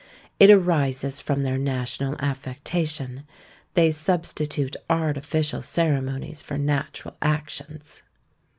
It arises from their national affectation. They substitute artificial ceremonies for natural actions.